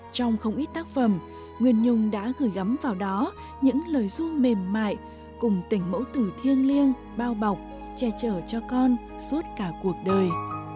trong không ít tác phẩm nguyên nhung đã gửi gắm vào đó những lời ru mềm mại cùng tỉnh mẫu tử thiêng liêng bao bọc che chở cho con suốt cả cuộc đời